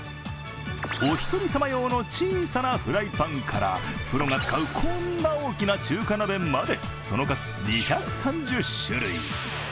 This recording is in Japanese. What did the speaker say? おひとりさま用の小さなフライパンから、プロが使うこんな大きな中華鍋まで、その数２３０種類。